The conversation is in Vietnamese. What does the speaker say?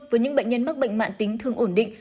với những bệnh nhân mắc bệnh mạng tính thường ổn định